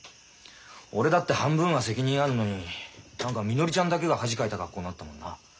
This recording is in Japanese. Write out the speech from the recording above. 俺だって半分は責任あるのに何かみのりちゃんだけが恥かいた格好になったもんな。